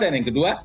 dan yang kedua